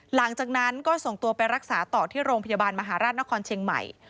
หลังจากนั้นก็ส่งตัวไปรักษาต่อที่โรงพยาบาลมหาราชนครเชียงใหม่